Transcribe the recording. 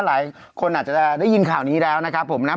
หลายคนอาจจะได้ยินข่าวนี้แล้วนะครับผมนะ